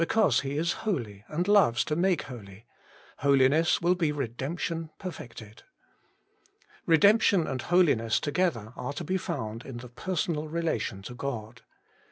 because He is holy, and loves to make holy : Holi ness will be Redemption perfected. Redemption and Holiness together are to be found in the personal relation to God.